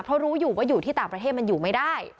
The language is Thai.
เพราะรู้อยู่ว่าอยู่ที่ต่างประเทศมันอยู่ไม่ได้